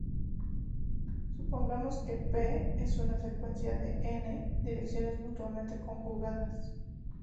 Supongamos que {p} es una secuencia de "n" direcciones mutuamente conjugadas.